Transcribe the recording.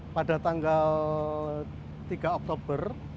pada tanggal tiga oktober